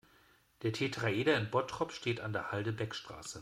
Das Tetraeder in Bottrop steht auf der Halde Beckstraße.